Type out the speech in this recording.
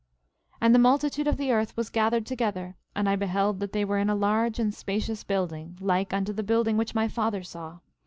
11:35 And the multitude of the earth was gathered together; and I beheld that they were in a large and spacious building, like unto the building which my father saw.